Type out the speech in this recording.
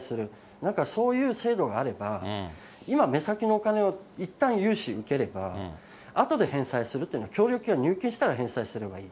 なんかそういう制度があれば、今、目先のお金をいったん融資受ければ、あとで返済するというのは協力金が入金したら返済すればいい。